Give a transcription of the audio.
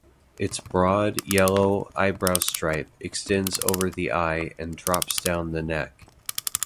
Its broad, yellow eyebrow-stripe extends over the eye and drops down the neck.